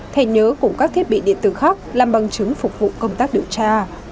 thay nhớ cùng các thiết bị điện tử khác làm bằng chứng phục vụ công tác điều tra